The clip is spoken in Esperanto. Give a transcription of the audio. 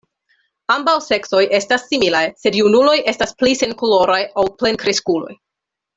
Ambaŭ seksoj estas similaj, sed junuloj estas pli senkoloraj ol plenkreskuloj.